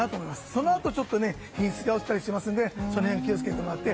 そのあと、ちょっと品質が落ちたりしますのでその辺気を付けてもらって。